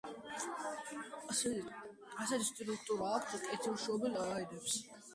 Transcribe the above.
ასეთი სტრუქტურა აქვთ კეთილშობილ აირებს.